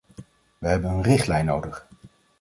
Wij hebben een richtlijn nodig.